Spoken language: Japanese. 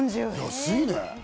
安いね。